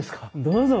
どうぞ。